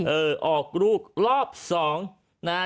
เออออกลูกรอบสองนะฮะ